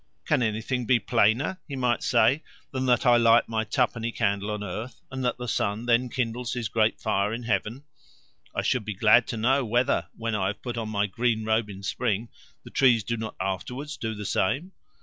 "Can anything be plainer," he might say, "than that I light my twopenny candle on earth and that the sun then kindles his great fire in heaven? I should be glad to know whether, when I have put on my green robe in spring, the trees do not afterwards do the same?